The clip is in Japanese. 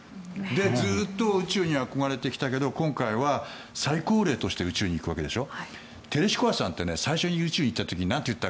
ずっと宇宙に憧れてきたけど今回は最高齢として宇宙に行くわけでしょう。